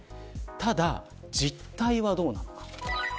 ただ、実態はどうなのか。